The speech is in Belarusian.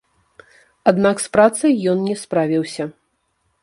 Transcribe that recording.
Аднак з працай ён не справіўся.